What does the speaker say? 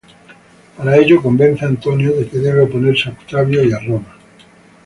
Para ello, convence a Antonio de que debe oponerse a Octavio, y a Roma.